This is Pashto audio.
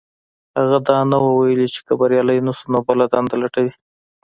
هغه دا نه وو ويلي چې که بريالی نه شو نو بله دنده لټوي.